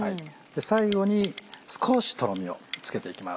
最後に少しとろみをつけていきます。